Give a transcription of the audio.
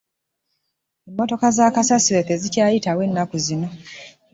Emmotoka za kasasiro tezikyayitawo ennaku zino.